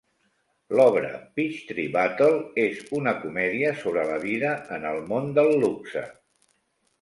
L'obra "Peachtree Battle" és una comèdia sobre la vida en el món del luxe.